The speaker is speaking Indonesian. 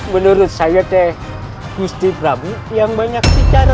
menurut saya gusti prabu yang banyak bicara